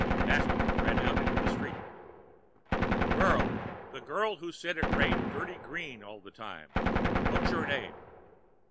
Bascomb ran out into the street. "Girl, the girl who said it rained dirty green all the time, what's your name?"